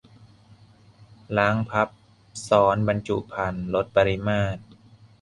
- ล้าง พับ ซ้อนบรรจุภัณฑ์ ลดปริมาตร